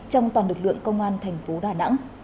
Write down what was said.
trong toàn lực lượng công an thành phố đà nẵng